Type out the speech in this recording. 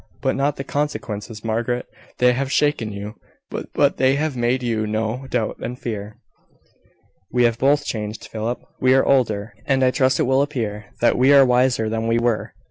"But not the consequences, Margaret. They have shaken you: they have made you know doubt and fear." "We are both changed, Philip. We are older, and I trust it will appear that we are wiser than we were.